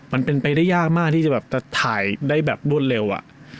มันเป็นไปได้ยากมากที่จะถ่ายได้รวดเร็ว